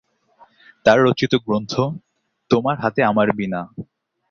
তার রচিত গ্রন্থ "তোমার হাতে আমার বীণা"।